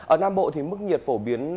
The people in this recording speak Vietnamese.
ở nam bộ thì mức nhiệt phổ biến